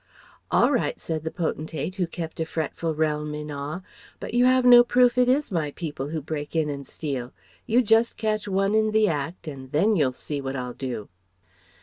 "All right," said the potentate, who kept a fretful realm in awe, "But you have no proof it is my people who break in and steal. You just catch one in the act, and then you'll see what I'll do."